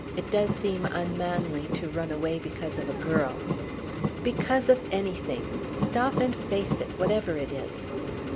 It does seem unmanly to run away because of a girl." "Because of anything! Stop and face it, whatever it is."